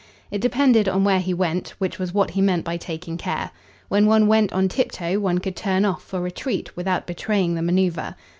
It depended on where he went; which was what he meant by taking care. When one went on tiptoe one could turn off for retreat without betraying the manoeuvre.